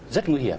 rất nguy hiểm